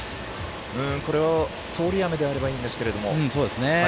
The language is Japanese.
これが通り雨であればいいんですけども。